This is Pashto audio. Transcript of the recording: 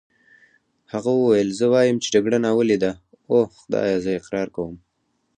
هغه وویل: زه وایم چې جګړه ناولې ده، اوه خدایه زه اقرار کوم.